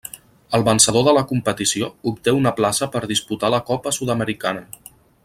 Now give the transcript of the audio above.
El vencedor de la competició obté una plaça per disputar la Copa Sud-americana.